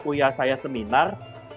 kuliah saya seminar